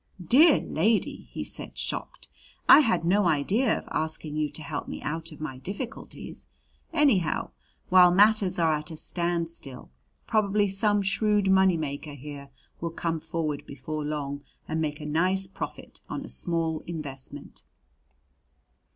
"Dear lady!" he said, shocked; "I had no idea of asking you to help me out of my difficulties. Anyhow, while matters are at a standstill probably some shrewd money maker here will come forward before long and make a nice profit on a small investment."